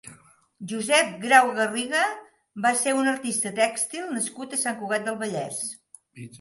Josep Grau-Garriga va ser un artista tèxtil nascut a Sant Cugat del Vallès.